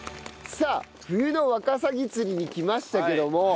さあ冬のワカサギ釣りに来ましたけども。